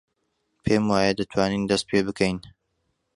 پێم وایە دەتوانین دەست پێ بکەین.